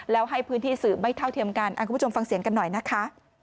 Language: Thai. แล้วให้พื้นที่สืบไม่เท่าเทียมกันคุณผู้ชมฟังเสียงกันหน่อยนะคะ